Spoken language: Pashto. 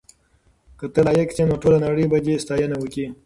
که ته لایق شې نو ټوله نړۍ به دې ستاینه وکړي.